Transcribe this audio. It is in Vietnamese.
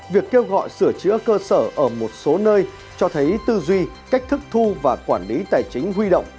việc kêu gọi sửa chữa cơ sở ở một số nơi cho thấy tư duy cách thức thu và quản lý tài chính huy động